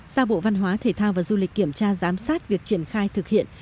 ra bộ văn hóa thể thao và du lịch kiểm tra giám sát việc triển khai thực hiện